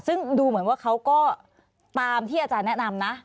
ซึ่งดูเหมือนว่าเขาก็ตามที่อาจารย์แนะนำนะ